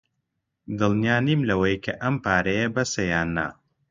دڵنیا نیم لەوەی کە ئەم پارەیە بەسە یان نا.